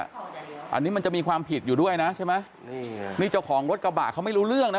อันนี้มันจะมีความผิดอยู่ด้วยนะใช่ไหมนี่เจ้าของรถกระบะเขาไม่รู้เรื่องนะ